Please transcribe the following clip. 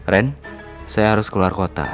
ren saya harus keluar kota